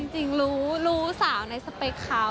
จริงรู้สาวในสเปคเขา